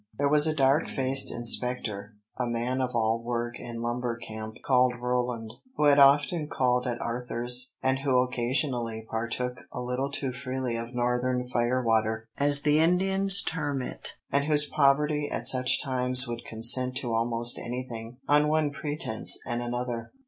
IV. There was a dark faced inspector, a man of all work in lumber camp, called Roland, who had often called at Arthur's, and who occasionally partook a little too freely of Northern fire water, as the Indians term it, and whose poverty at such times would consent to almost anything, on one pretence and another.